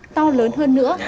to lớn hơn nữa